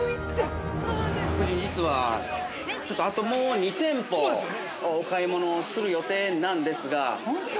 ◆夫人、実は、ちょっとあと、もう２店舗お買い物をする予定なんですが◆本当？